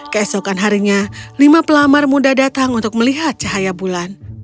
keesokan harinya lima pelamar muda datang untuk melihatnya